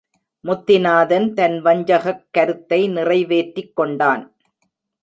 முத்திநாதன் தன் வஞ்சகக் கருத்தை நிறைவேற்றிக் கொண்டான்.